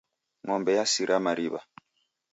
Ng'ombe yasira mariw'a.